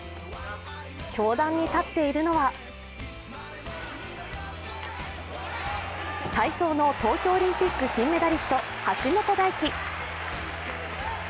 教壇に立っているのは体操の東京オリンピック金メダリスト、橋本大輝。